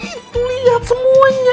itu liat semuanya